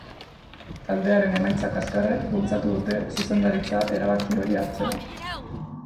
Taldearen emaitza kaskarrek bultzatu dute zuzendaritza erabaki hori hartzera.